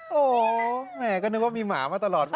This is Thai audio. มิ้วมิ้วแม่ก็นึกว่ามีหมามาตลอด